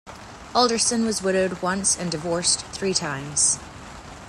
Alderson was widowed once and divorced three times.